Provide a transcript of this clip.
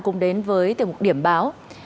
cùng đến với tiểu mục điểm báo